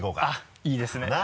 あっいいですね。